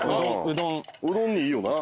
うどんいいよな。